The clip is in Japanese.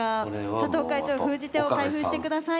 佐藤会長封じ手を開封してください。